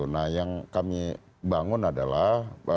nah yang kami bangun adalah